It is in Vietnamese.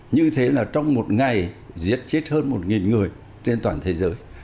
như thế là trong một ngày giết chết hơn một người trên toàn thế giới